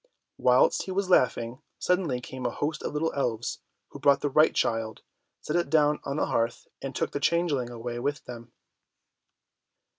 Whilst he was laughing, suddenly came a host of little elves, who brought the right child, set it down on the hearth, and took the changeling away with them.